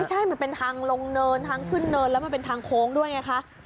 ใช่มันเป็นทางลงเนินทางขึ้นเนินแล้วมันเป็นทางโค้งด้วยไงคะ